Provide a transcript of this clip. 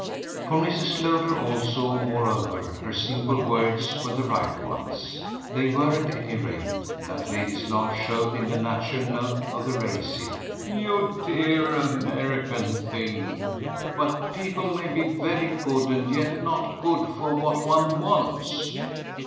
For Mrs. Lowder also moreover her simple words were the right ones; they were at any rate, that lady's laugh showed, in the natural note of the racy. "You dear American thing! But people may be very good and yet not good for what one wants."